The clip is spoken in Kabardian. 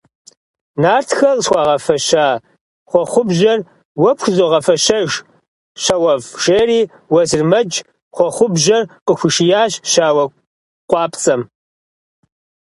Нартхэ къысхуагъэфэща хъуэхъубжьэр уэ пхузогъэфэщэж, щауэфӏ, – жери Уэзырмэдж хъуэхъубжьэр къыхуишиящ щауэ къуапцӏэм.